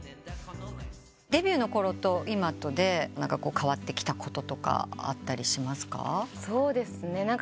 デビューのころと今とで変わってきたこととかあったりしますか？